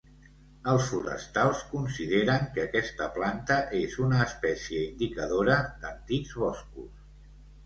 Els forestals consideren que aquesta planta és una espècie indicadora d'antics boscos.